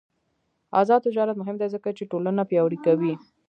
آزاد تجارت مهم دی ځکه چې ټولنه پیاوړې کوي.